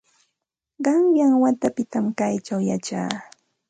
Qanyan watapitam kaćhaw yachaa.